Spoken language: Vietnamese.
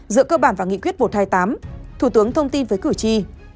giữa cơ bản và nghị quyết một trăm hai mươi tám thủ tướng thông tin với cử tri